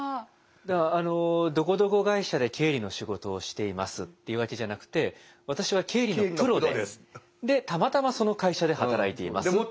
だからあの「どこどこ会社で経理の仕事をしています」って言うわけじゃなくって「私は経理のプロです。でたまたまその会社で働いています」。